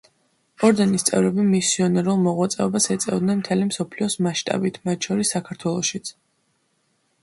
ორდენის წევრები მისიონერულ მოღვაწეობას ეწეოდნენ მთელი მსოფლიოს მასშტაბით, მათ შორის საქართველოშიც.